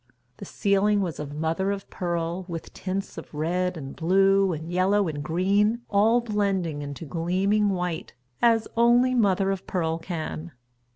The ceiling was of mother of pearl, with tints of red and blue and yellow and green, all blending into gleaming white, as only mother of pearl can.